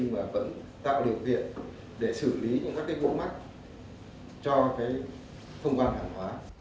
mà vẫn tạo điều kiện để xử lý những các vụ mắc cho các doanh nghiệp